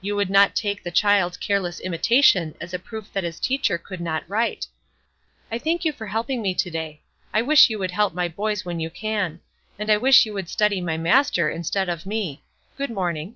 You would not take the child's careless imitation as a proof that his teacher could not write. I thank you for helping me to day. I wish you would help my boys when you can; and I wish you would study my Master instead of me. Good morning."